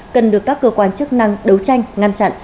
cần được các cơ quan chức năng đấu tranh ngăn chặn